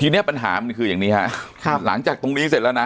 เนี้ยปัญหามันคืออย่างนี้ฮะค่ะหลังจากตรงนี้เสร็จแล้วนะ